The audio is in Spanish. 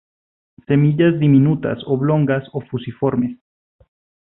Semillas diminutas, oblongas o fusiformes.